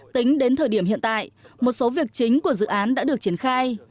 tính đến thời điểm hiện tại một số việc chính của dự án đã được triển khai